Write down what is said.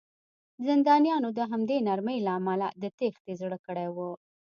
زندانیانو د همدې نرمۍ له امله د تېښتې زړه کړی و